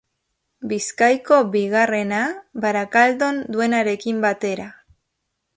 Bizkaiko bigarrena, Barakaldon duenarekin batera.